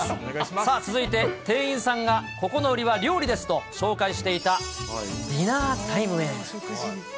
さあ、続いて店員さんが、ここの売りは料理ですと紹介していたディナータイムへ。